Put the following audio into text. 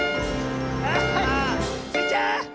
あ！スイちゃん！